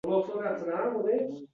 Ishon, lek shubhalan